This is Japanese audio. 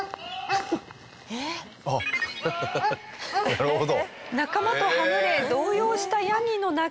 なるほど。